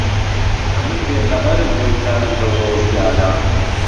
ئهمن بێ خهبهرم لهو کار و لهو ڕۆزگارە